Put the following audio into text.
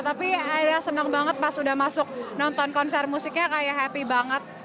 tapi ayah senang banget pas udah masuk nonton konser musiknya kayak happy banget